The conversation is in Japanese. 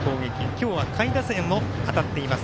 今日は下位打線も当たっています。